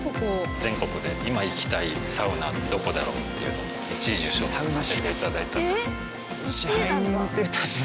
全国で今行きたいサウナどこだろうっていうの１位を受賞させて頂いたんです。